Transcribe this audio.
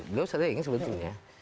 beliau sering sebetulnya